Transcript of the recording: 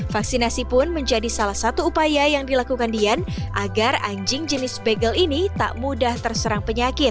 vaksinasi pun menjadi salah satu upaya yang dilakukan dian agar anjing jenis bagel ini tak mudah terserang penyakit